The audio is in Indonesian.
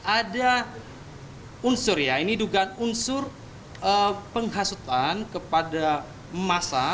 ada unsur ya ini dugaan unsur penghasutan kepada masa